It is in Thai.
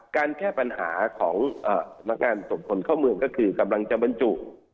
กันแค่ปัญหาของนางงานสมธนเข้าเมืองก็คือกำลังจะบรรจุ